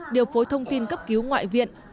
điều phối thông tin cấp cứu ngoại viện